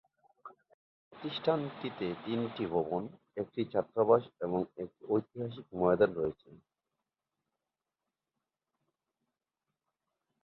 প্রতিষ্ঠানটিতে তিনটি ভবন, একটি ছাত্রাবাস এবং একটি ঐতিহাসিক ময়দান রয়েছে।